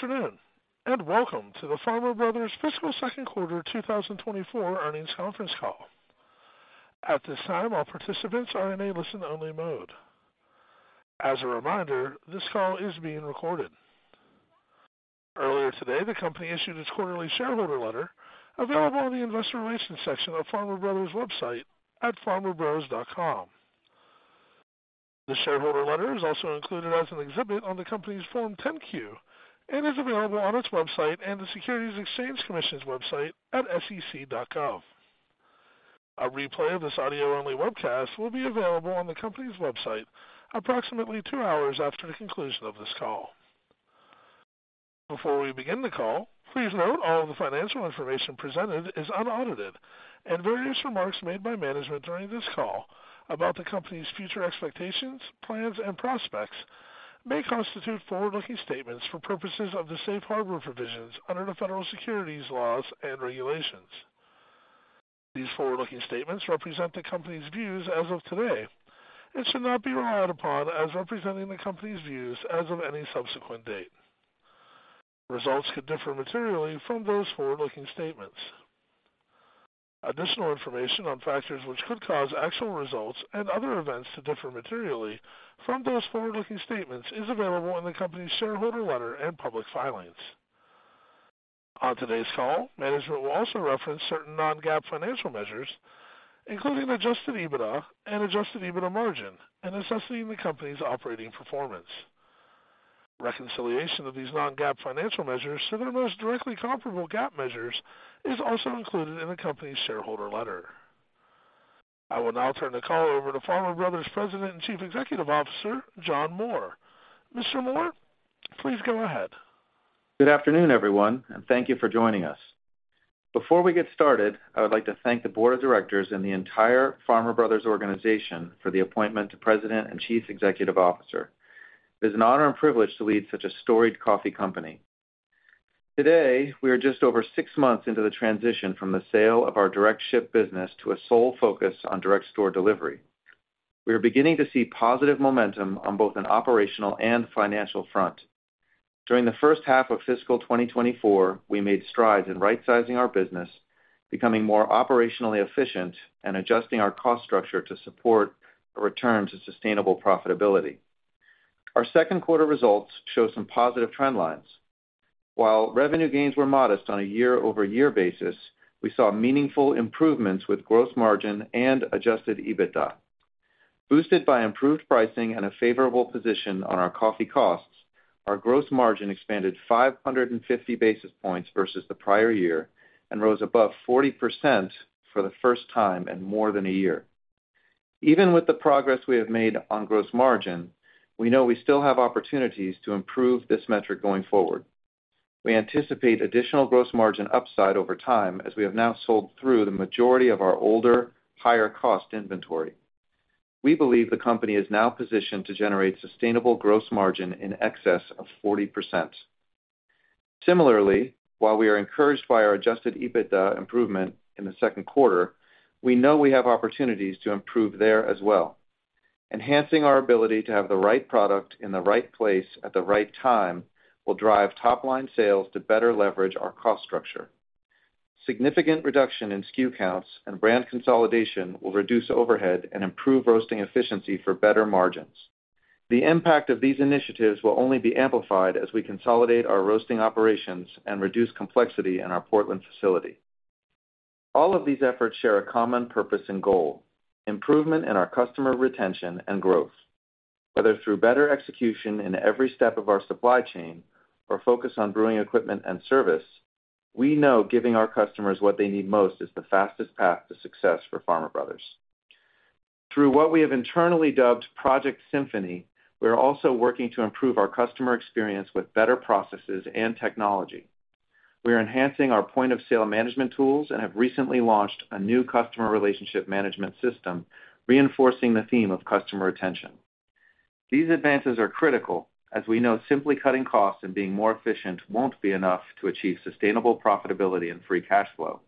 Good afternoon, and welcome to the Farmer Brothers fiscal second quarter 2024 earnings conference call. At this time, all participants are in a listen-only mode. As a reminder, this call is being recorded. Earlier today, the company issued its quarterly shareholder letter, available on the investor relations section of Farmer Brothers website at farmerbrothers.com. The shareholder letter is also included as an exhibit on the company's Form 10-Q and is available on its website and the Securities and Exchange Commission's website at sec.gov. A replay of this audio-only webcast will be available on the company's website approximately two hours after the conclusion of this call. Before we begin the call, please note all of the financial information presented is unaudited, and various remarks made by management during this call about the company's future expectations, plans, and prospects may constitute forward-looking statements for purposes of the safe harbor provisions under the federal securities laws and regulations. These forward-looking statements represent the company's views as of today and should not be relied upon as representing the company's views as of any subsequent date. Results could differ materially from those forward-looking statements. Additional information on factors which could cause actual results and other events to differ materially from those forward-looking statements is available in the company's shareholder letter and public filings. On today's call, management will also reference certain non-GAAP financial measures, including Adjusted EBITDA and Adjusted EBITDA margin in assessing the company's operating performance. Reconciliation of these non-GAAP financial measures to their most directly comparable GAAP measures is also included in the company's shareholder letter. I will now turn the call over to Farmer Brothers President and Chief Executive Officer, John Moore. Mr. Moore, please go ahead. Good afternoon, everyone, and thank you for joining us. Before we get started, I would like to thank the board of directors and the entire Farmer Brothers organization for the appointment to President and Chief Executive Officer. It is an honor and privilege to lead such a storied coffee company. Today, we are just over six months into the transition from the sale of our direct ship business to a sole focus on direct store delivery. We are beginning to see positive momentum on both an operational and financial front. During the first half of fiscal 2024, we made strides in rightsizing our business, becoming more operationally efficient, and adjusting our cost structure to support a return to sustainable profitability. Our second quarter results show some positive trend lines. While revenue gains were modest on a year-over-year basis, we saw meaningful improvements with gross margin and Adjusted EBITDA. Boosted by improved pricing and a favorable position on our coffee costs, our gross margin expanded 550 basis points versus the prior year and rose above 40% for the first time in more than a year. Even with the progress we have made on gross margin, we know we still have opportunities to improve this metric going forward. We anticipate additional gross margin upside over time, as we have now sold through the majority of our older, higher-cost inventory. We believe the company is now positioned to generate sustainable gross margin in excess of 40%. Similarly, while we are encouraged by our adjusted EBITDA improvement in the second quarter, we know we have opportunities to improve there as well. Enhancing our ability to have the right product in the right place at the right time will drive top-line sales to better leverage our cost structure. Significant reduction in SKU counts and brand consolidation will reduce overhead and improve roasting efficiency for better margins. The impact of these initiatives will only be amplified as we consolidate our roasting operations and reduce complexity in our Portland facility. All of these efforts share a common purpose and goal: improvement in our customer retention and growth. Whether through better execution in every step of our supply chain or focus on brewing equipment and service, we know giving our customers what they need most is the fastest path to success for Farmer Brothers. Through what we have internally dubbed Project Symphony, we are also working to improve our customer experience with better processes and technology. We are enhancing our point-of-sale management tools and have recently launched a new customer relationship management system, reinforcing the theme of customer retention. These advances are critical, as we know simply cutting costs and being more efficient won't be enough to achieve sustainable profitability and free cash flow.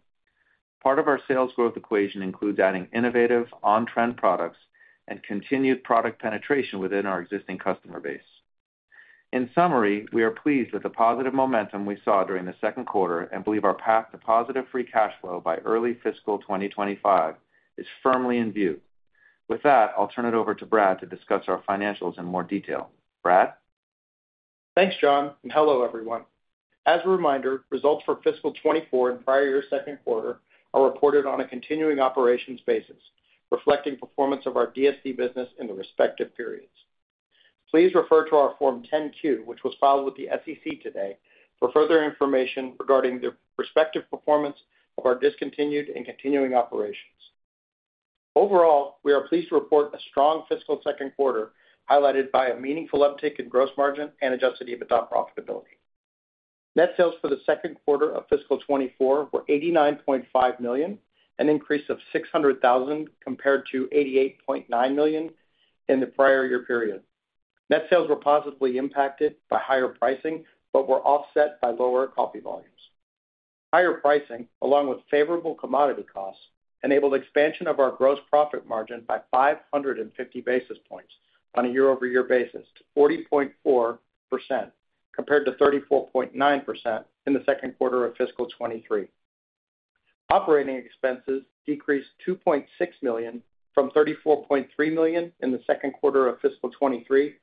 Part of our sales growth equation includes adding innovative, on-trend products and continued product penetration within our existing customer base. In summary, we are pleased with the positive momentum we saw during the second quarter and believe our path to positive free cash flow by early fiscal 2025 is firmly in view. With that, I'll turn it over to Brad to discuss our financials in more detail. Brad? Thanks, John, and hello, everyone. As a reminder, results for fiscal 2024 and prior-year second quarter are reported on a continuing operations basis, reflecting performance of our DSD business in the respective periods. Please refer to our Form 10-Q, which was filed with the SEC today, for further information regarding the respective performance of our discontinued and continuing operations. Overall, we are pleased to report a strong fiscal second quarter, highlighted by a meaningful uptick in gross margin and Adjusted EBITDA profitability. Net sales for the second quarter of fiscal 2024 were $89.5 million, an increase of $600,000 compared to $88.9 million in the prior-year period. Net sales were positively impacted by higher pricing, but were offset by lower coffee volumes. Higher pricing, along with favorable commodity costs, enabled expansion of our gross profit margin by 550 basis points on a year-over-year basis to 40.4%, compared to 34.9% in the second quarter of fiscal 2023. Operating expenses decreased $2.6 million from $34.3 million in the second quarter of fiscal 2023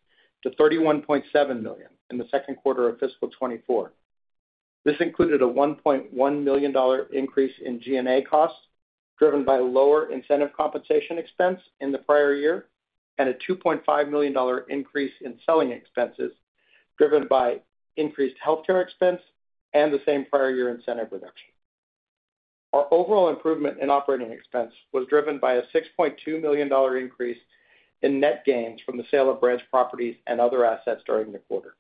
to $31.7 million in the second quarter of fiscal 2024. This included a $1.1 million dollar increase in G&A costs, driven by lower incentive compensation expense in the prior year, and a $2.5 million dollar increase in selling expenses, driven by increased healthcare expense and the same prior year incentive reduction. Our overall improvement in operating expense was driven by a $6.2 million increase in net gains from the sale of branch properties and other assets during the quarter.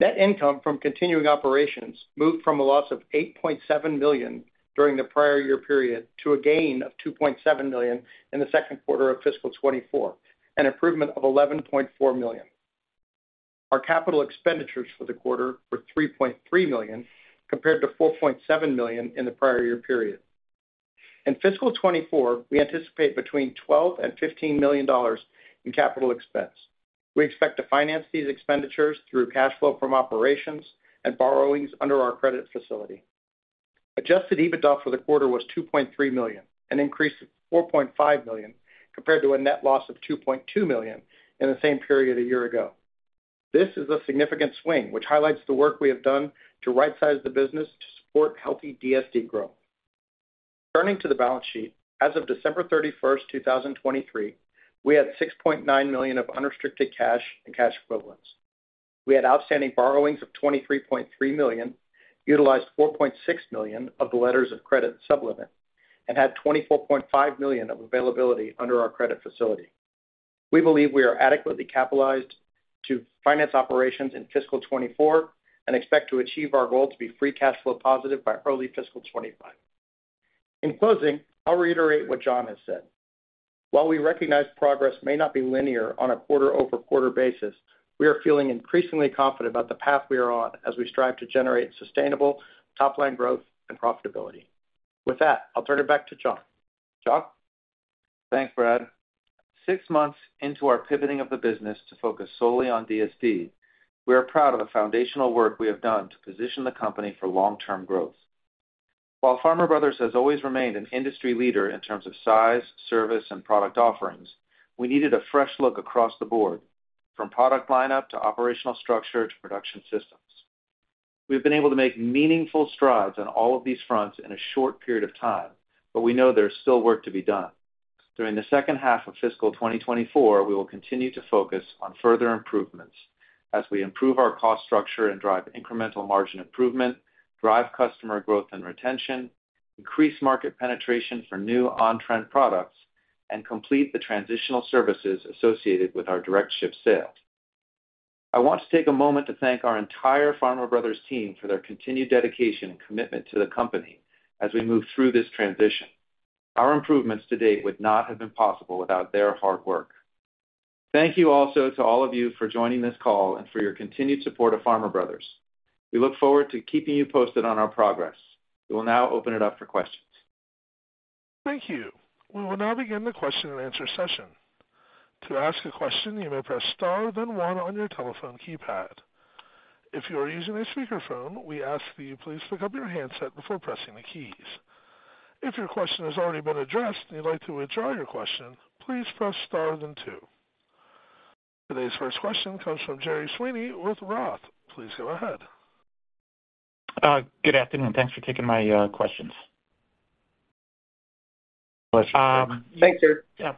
Net income from continuing operations moved from a loss of $8.7 million during the prior year period to a gain of $2.7 million in the second quarter of fiscal 2024, an improvement of $11.4 million. Our capital expenditures for the quarter were $3.3 million, compared to $4.7 million in the prior year period. In fiscal 2024, we anticipate between $12 million and $15 million in capital expense. We expect to finance these expenditures through cash flow from operations and borrowings under our credit facility. Adjusted EBITDA for the quarter was $2.3 million, an increase of $4.5 million, compared to a net loss of $2.2 million in the same period a year ago. This is a significant swing, which highlights the work we have done to rightsize the business to support healthy DSD growth. Turning to the balance sheet, as of December 31st, 2023, we had $6.9 million of unrestricted cash and cash equivalents. We had outstanding borrowings of $23.3 million, utilized $4.6 million of the letters of credit sub-limit, and had $24.5 million of availability under our credit facility. We believe we are adequately capitalized to finance operations in fiscal 2024 and expect to achieve our goal to be free cash flow positive by early fiscal 2025. In closing, I'll reiterate what John has said. While we recognize progress may not be linear on a quarter-over-quarter basis, we are feeling increasingly confident about the path we are on as we strive to generate sustainable top-line growth and profitability. With that, I'll turn it back to John. John? Thanks, Brad. Six months into our pivoting of the business to focus solely on DSD, we are proud of the foundational work we have done to position the company for long-term growth. While Farmer Brothers has always remained an industry leader in terms of size, service, and product offerings, we needed a fresh look across the board, from product lineup to operational structure to production systems. We've been able to make meaningful strides on all of these fronts in a short period of time, but we know there's still work to be done. During the second half of fiscal 2024, we will continue to focus on further improvements as we improve our cost structure and drive incremental margin improvement, drive customer growth and retention, increase market penetration for new on-trend products, and complete the transitional services associated with our direct ship sales. I want to take a moment to thank our entire Farmer Brothers team for their continued dedication and commitment to the company as we move through this transition. Our improvements to date would not have been possible without their hard work. Thank you also to all of you for joining this call and for your continued support of Farmer Brothers. We look forward to keeping you posted on our progress. We will now open it up for questions. Thank you. We will now begin the question-and-answer session. To ask a question, you may press Star, then One on your telephone keypad. If you are using a speakerphone, we ask that you please pick up your handset before pressing the keys. If your question has already been addressed and you'd like to withdraw your question, please press Star, then Two. Today's first question comes from Gerry Sweeney with Roth. Please go ahead. Good afternoon. Thanks for taking my questions. Pleasure. Thanks, Gerry. Yeah.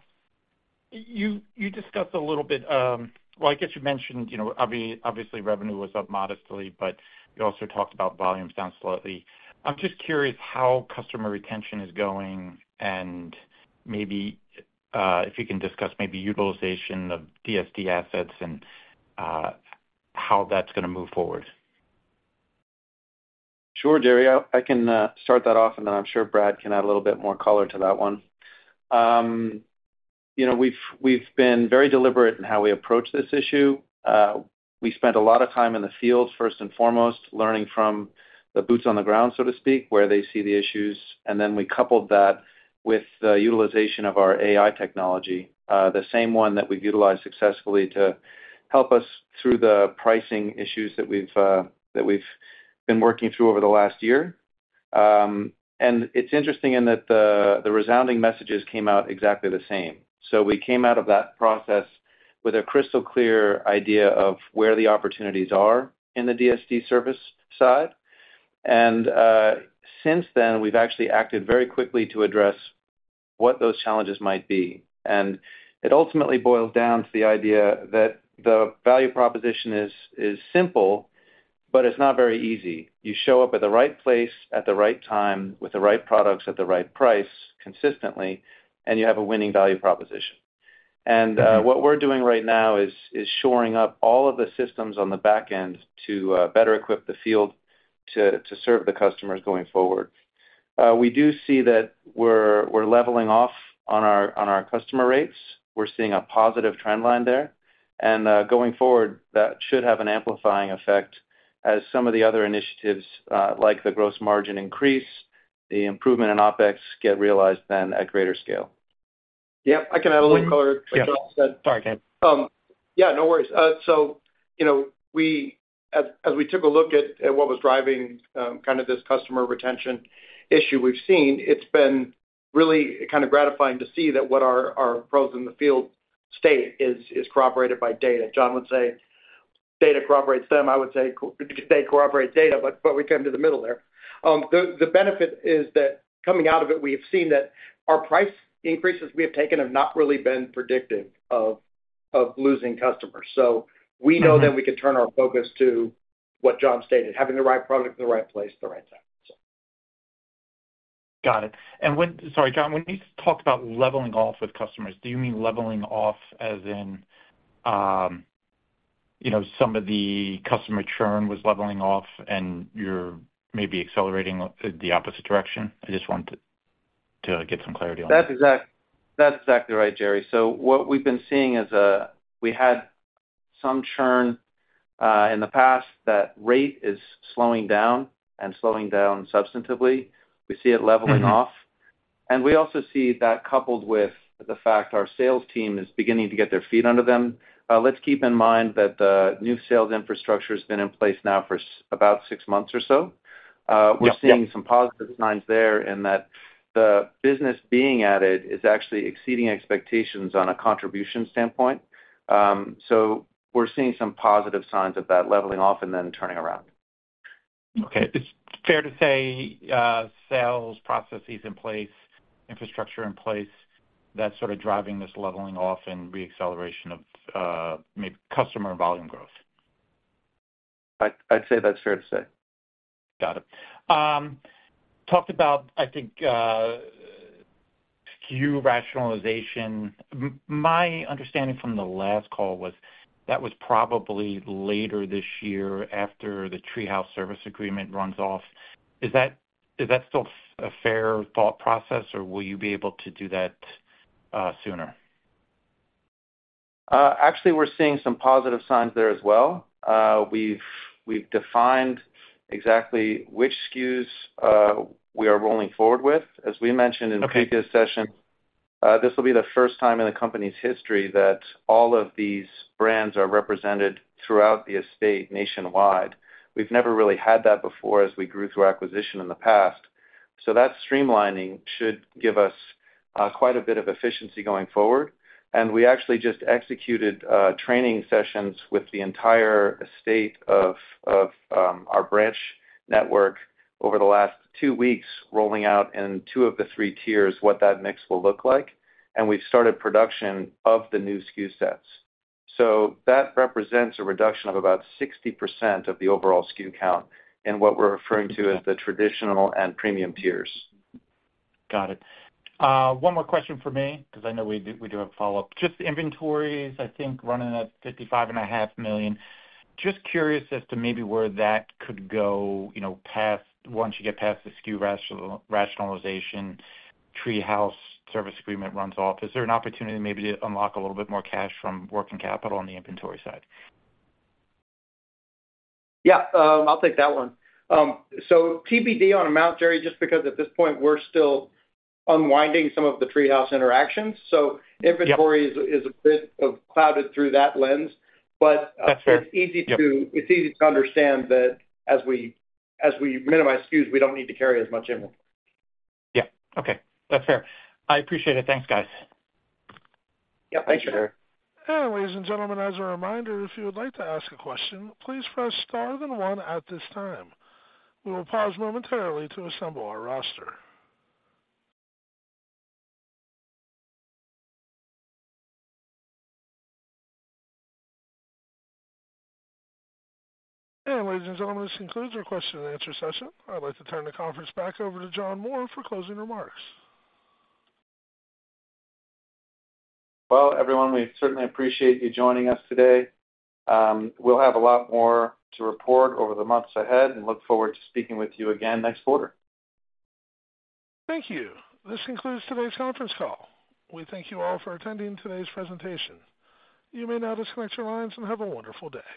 You discussed a little bit. Well, I guess you mentioned, you know, obviously, revenue was up modestly, but you also talked about volumes down slightly. I'm just curious how customer retention is going and maybe if you can discuss maybe utilization of DSD assets and how that's gonna move forward. Sure, Gerry. I can start that off, and then I'm sure Brad can add a little bit more color to that one. You know, we've been very deliberate in how we approach this issue. We spent a lot of time in the field, first and foremost, learning from the boots on the ground, so to speak, where they see the issues, and then we coupled that with the utilization of our AI technology, the same one that we've utilized successfully to help us through the pricing issues that we've been working through over the last year. And it's interesting in that the resounding messages came out exactly the same. So we came out of that process with a crystal-clear idea of where the opportunities are in the DSD service side. And, since then, we've actually acted very quickly to address what those challenges might be. And it ultimately boils down to the idea that the value proposition is simple, but it's not very easy. You show up at the right place, at the right time, with the right products, at the right price, consistently, and you have a winning value proposition. And, what we're doing right now is shoring up all of the systems on the back end to better equip the field to serve the customers going forward. We do see that we're leveling off on our customer rates. We're seeing a positive trend line there, and, going forward, that should have an amplifying effect as some of the other initiatives, like the gross margin increase, the improvement in OpEx, get realized then at greater scale. Yep, I can add a little color to what John said. Sorry, Brad. Yeah, no worries. So, you know, as we took a look at what was driving kind of this customer retention issue we've seen, it's been really kind of gratifying to see that what our pros in the field state is corroborated by data. John would say data corroborates them. I would say, they corroborate data, but we come to the middle there. The benefit is that coming out of it, we have seen that our price increases we have taken have not really been predictive of losing customers. So we know that we can turn our focus to what John stated, having the right product in the right place at the right time, so. Got it. And when, sorry, John, when you talked about leveling off with customers, do you mean leveling off as in, you know, some of the customer churn was leveling off and you're maybe accelerating the opposite direction? I just wanted to get some clarity on that. That's exactly right, Gerry. So what we've been seeing is, we had some churn in the past. That rate is slowing down, and slowing down substantively. We see it leveling off, and we also see that coupled with the fact our sales team is beginning to get their feet under them. Let's keep in mind that the new sales infrastructure has been in place now for about six months or so. Yep, yep. We're seeing some positive signs there, and that the business being added is actually exceeding expectations on a contribution standpoint. So we're seeing some positive signs of that leveling off and then turning around. Okay. It's fair to say, sales processes in place, infrastructure in place, that's sort of driving this leveling off and reacceleration of, maybe customer volume growth? I'd say that's fair to say. Got it. Talked about, I think, SKU rationalization. My understanding from the last call was that was probably later this year after the TreeHouse Service Agreement runs off. Is that, is that still a fair thought process, or will you be able to do that sooner? Actually, we're seeing some positive signs there as well. We've defined exactly which SKUs we are rolling forward with. Okay. As we mentioned in the previous session, this will be the first time in the company's history that all of these brands are represented throughout the estate nationwide. We've never really had that before as we grew through acquisition in the past. So that streamlining should give us quite a bit of efficiency going forward. And we actually just executed training sessions with the entire estate of our branch network over the last two weeks, rolling out in two of the three tiers, what that mix will look like, and we've started production of the new SKU sets. So that represents a reduction of about 60% of the overall SKU count in what we're referring to as the traditional and premium tiers. Got it. One more question from me, because I know we do, we do have follow-up. Just inventories, I think, running at $55.5 million. Just curious as to maybe where that could go, you know, past... Once you get past the SKU rationalization, TreeHouse Service Agreement runs off. Is there an opportunity maybe to unlock a little bit more cash from working capital on the inventory side? Yeah, I'll take that one. TBD on amount, Gerry, just because at this point, we're still unwinding some of the TreeHouse interactions. Yep. So inventory is a bit clouded through that lens, but- That's fair. Yep... It's easy to understand that as we minimize SKUs, we don't need to carry as much inventory. Yeah. Okay. That's fair. I appreciate it. Thanks, guys. Yep. Thank you, Gerry. Ladies and gentlemen, as a reminder, if you would like to ask a question, please press star then one at this time. We will pause momentarily to assemble our roster. Ladies and gentlemen, this concludes our question and answer session. I'd like to turn the conference back over to John Moore for closing remarks. Well, everyone, we certainly appreciate you joining us today. We'll have a lot more to report over the months ahead and look forward to speaking with you again next quarter. Thank you. This concludes today's conference call. We thank you all for attending today's presentation. You may now disconnect your lines and have a wonderful day.